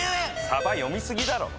さば読みすぎだろ！